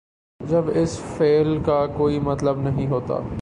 جب اس فعل کا کوئی مطلب نہیں ہوتا۔